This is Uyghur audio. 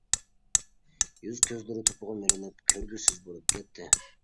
يۈز-كۆزلىرى توپىغا مىلىنىپ كۆرگۈسىز بولۇپ كەتتى.